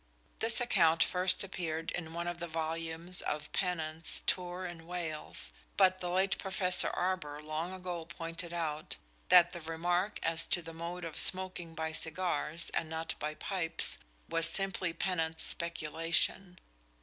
This account first appeared in one of the volumes of Pennant's "Tour in Wales." But the late Professor Arber long ago pointed out that the remark as to the mode of smoking by cigars and not by pipes was simply Pennant's speculation.